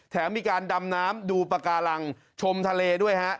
แถมมีการดำน้ำดูปากการังชมทะเลด้วยฮะ